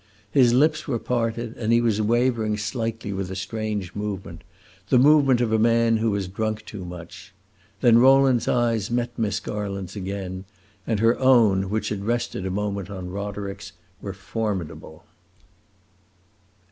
His lips were parted and he was wavering slightly with a strange movement the movement of a man who has drunk too much. Then Rowland's eyes met Miss Garland's again, and her own, which had rested a moment on Roderick's, were formidable!